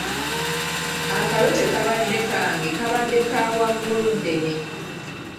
Akalo tekabadde kange kabadde ka Wagguluddene.